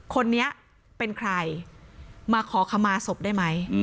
คนนี้เป็นใครมาขอขมาศพได้ไหม